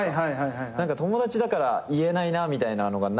友達だから言えないなみたいなのがなくて。